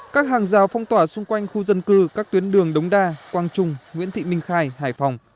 các hàng rào phong tỏa xung quanh khu dân cư các tuyến đường đống đa quang trung nguyễn thị minh khai hải phòng